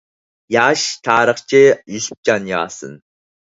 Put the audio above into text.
ياش تارىخچى يۈسۈپجان ياسىن.